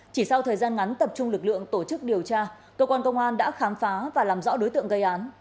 chỉ sau thời gian ngắn tập trung lực lượng tổ chức điều tra cơ quan công an đã khám phá và làm rõ đối tượng gây án